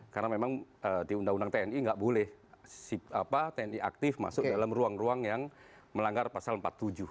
karena memang di undang undang tni nggak boleh tni aktif masuk dalam ruang ruang yang melanggar pasal empat puluh tujuh gitu